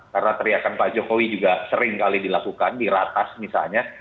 karena teriakan pak jokowi juga sering kali dilakukan di ratas misalnya